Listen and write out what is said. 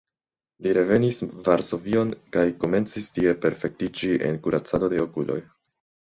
Li revenis Varsovion kaj komencis tie perfektiĝi en kuracado de okuloj.